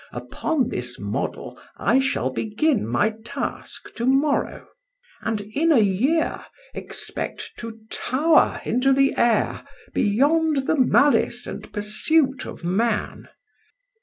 Upon this model I shall begin my task to morrow, and in a year expect to tower into the air beyond the malice and pursuit of man.